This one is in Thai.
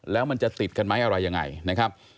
แล้วมันจะติดกันไหมอะไรยังไงนะครับ